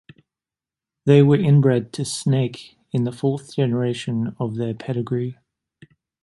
They were inbred to Snake in the fourth generation of their pedigree.